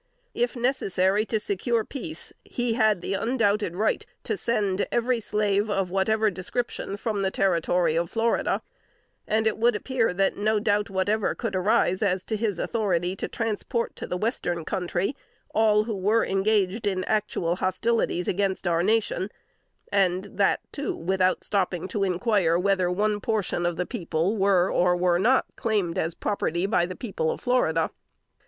If necessary to secure peace, he had the undoubted right to send every slave, of whatever description, from the Territory of Florida; and it would appear, that no doubt whatever could arise as to his authority to transport to the Western Country, all who were engaged in actual hostilities against our nation, and that too without stopping to inquire whether one portion of the people were, or were not, claimed as property by the people of Florida.